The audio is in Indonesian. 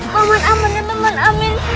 pak man amin dan teman amin